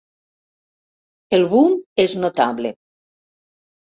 El boom és notable.